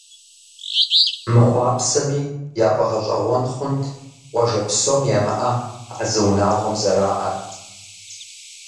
Мыхъуапсэми, яфӏэгъэщӏэгъуэн хъунт, къуажэ псом ямыӏэ а зы унагъуэм зэраӏэр.